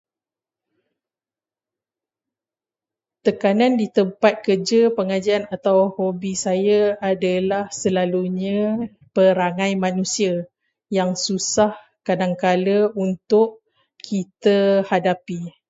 Tekanan di tempat kerja, pengajian atau hobi saya adalah selalunya perangai manusia yang susah kadangkala untuk kita hadapi.